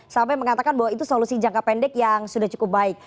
sampai mengatakan bahwa itu solusi jangka pendek yang sudah cukup baik